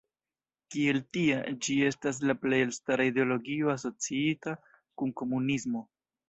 Kiel tia, ĝi estas la plej elstara ideologio asociita kun komunismo.